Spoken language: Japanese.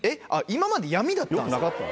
今まで闇だったんですか？